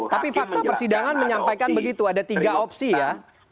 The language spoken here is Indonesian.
tapi fakta persidangan menyampaikan begitu ada tiga opsi ya